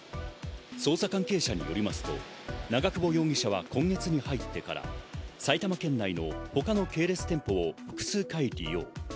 捜査関係者によりますと長久保容疑者は今月に入ってから埼玉県の他の系列店舗を複数回利用。